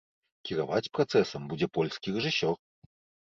Кіраваць працэсам будзе польскі рэжысёр.